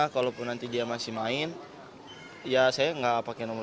kalaupun nanti dia masih main ya saya nggak pakai nomor